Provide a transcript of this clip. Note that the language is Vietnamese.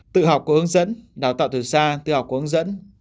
tự học của hướng dẫn đào tạo thử xa tự học của hướng dẫn